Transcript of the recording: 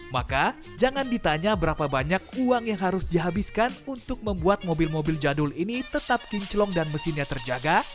maka jangan ditanya berapa banyak uang yang harus dihabiskan untuk membuat mobil mobil jadul ini tetap kinclong dan mesinnya terjaga